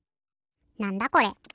なんだこれ？